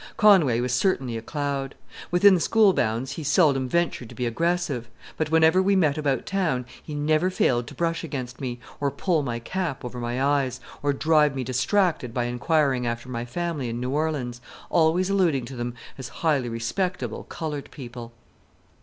Conway was certainly a cloud. Within school bounds he seldom ventured to be aggressive; but whenever we met about town he never failed to brush against me, or pull my cap over my eyes, or drive me distracted by inquiring after my family in New Orleans, always alluding to them as highly respectable colored people.